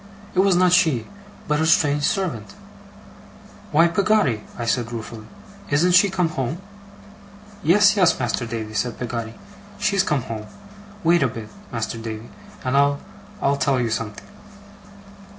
It was not she, but a strange servant. 'Why, Peggotty!' I said, ruefully, 'isn't she come home?' 'Yes, yes, Master Davy,' said Peggotty. 'She's come home. Wait a bit, Master Davy, and I'll I'll tell you something.